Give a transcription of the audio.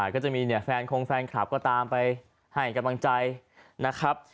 ก็จะมีเนี่ยแฟนคงแฟนคลับก็ตามไปให้กำลังใจนะครับ